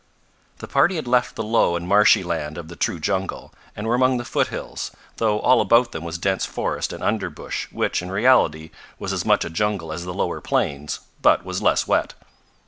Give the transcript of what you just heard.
The party had left the low and marshy land of the true jungle, and were among the foothills, though all about them was dense forest and underbush, which, in reality, was as much a jungle as the lower plains, but was less wet.